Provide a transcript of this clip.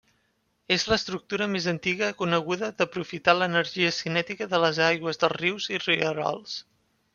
És l'estructura més antiga coneguda d'aprofitar l'energia cinètica de les aigües dels rius i rierols.